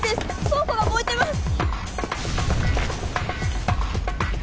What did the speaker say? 倉庫が燃えてます。